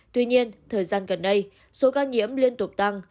tuy nhiên thời gian gần đây số ca nhiễm liên tục tăng